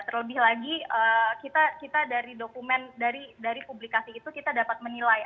terlebih lagi kita dari dokumen dari publikasi itu kita dapat menilai